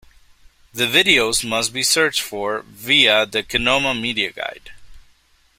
The videos must be searched for via the Kinoma media guide.